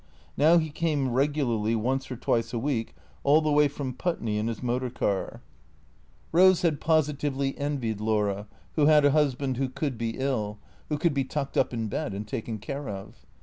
Now he came regularly once or twice a week all the way from Putney in his motor car. 498 THE CEEATOES Eose had positively envied Laura, who had a husband who could be ill, "who could be tucked up in bed and taken care of.